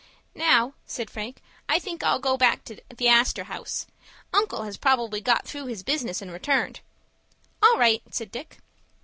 "Now," said Frank, "I think I'll go back to the Astor House. Uncle has probably got through his business and returned." "All right," said Dick.